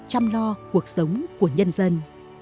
chăm lo cuộc sống của nhân dân